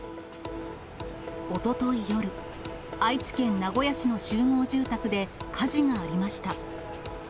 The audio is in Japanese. おととい夜、愛知県名古屋市の集合住宅で火事がありました。